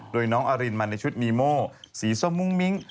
โดยน้องอารินมาในชุดนีโมสีส้มมุ้งมิ้ง